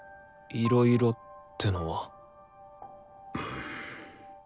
「いろいろ」ってのは？